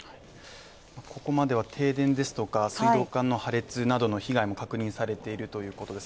ここまでは停電ですとか水道管の破裂などの被害も確認されているということです。